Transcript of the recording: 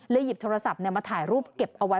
หยิบโทรศัพท์มาถ่ายรูปเก็บเอาไว้